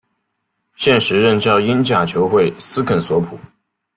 现时任教英甲球会斯肯索普。